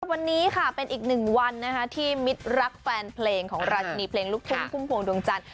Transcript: วันนี้ค่ะเป็นอีกหนึ่งวันที่มิตรรักแฟนเพลงของราชินีเพลงลูกทุ่งพุ่มพวงดวงจันทร์